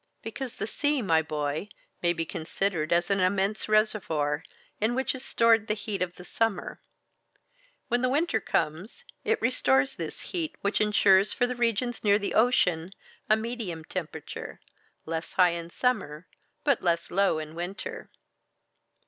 "Because the sea, my boy, may be considered as an immense reservoir, in which is stored the heat of the summer. When winter comes, it restores this heat, which insures for the regions near the ocean a medium temperature, less high in summer, but less low in winter."